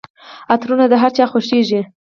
عطرونه د هرچا خوښیږي.